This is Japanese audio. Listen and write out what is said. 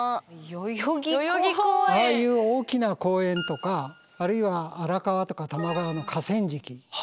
ああいう大きな公園とかあるいは荒川とか多摩川の河川敷。